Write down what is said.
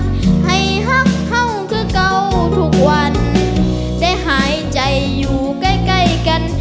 ให้หักเข้าคือเก่าทุกวันได้หายใจอยู่ใกล้ใกล้กัน